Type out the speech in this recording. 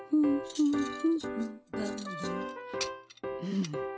うん。